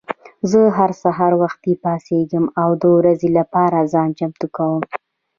زه هر سهار وختي پاڅېږم او د ورځې لپاره ځان چمتو کوم.